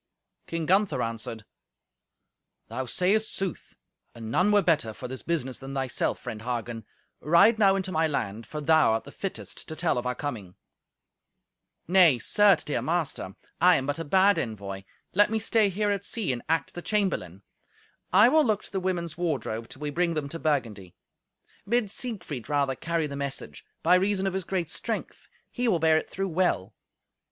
King Gunther answered, "Thou sayest sooth. And none were better for this business than thyself, friend Hagen. Ride now into my land, for thou art the fittest to tell of our coming." "Nay, certes, dear master, I am but a bad envoy. Let me stay here at sea and act the chamberlain. I will look to the women's wardrobe, till we bring them to Burgundy. Bid Siegfried rather carry the message; by reason of his great strength he will bear it through well.